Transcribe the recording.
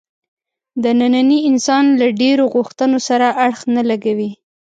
د ننني انسان له ډېرو غوښتنو سره اړخ نه لګوي.